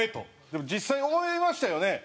でも実際思いましたよね？